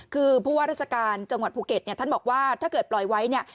คือผู้ว่าราชการจังหวัดภูเก็ตเนี่ยท่านบอกว่าถ้าเกิดปล่อยไว้เนี่ย